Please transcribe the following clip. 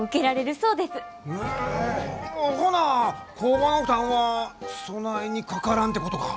ほな工場の負担はそないにかからんてことか。